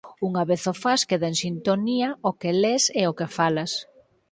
Unha vez o fas queda en sintonía o que les e o que falas